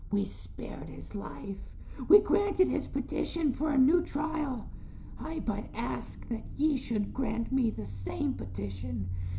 We spared his life; we granted his petition for a new trial. I but ask that ye should grant me the same petition.